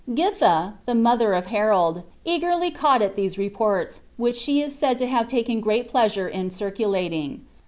Giiha, the mother of Harold, eagerly caught at these reports, which she a said to have taken great pleasure in circulating.